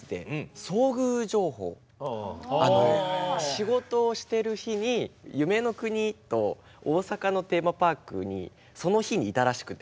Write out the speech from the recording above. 仕事をしてる日に夢の国と大阪のテーマパークにその日にいたらしくて。